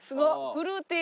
フルーティー。